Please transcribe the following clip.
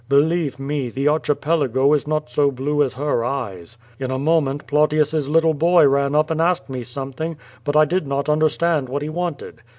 Believe me, the Archipelago is not so blue as her eyes. In a moment Plautius's little boy ran up and asked me something, but I did not understand what he wanted."